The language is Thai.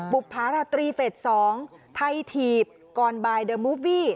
บุพรภาษา๓๒ไทยถีบกอนบายเดอร์มูฟวี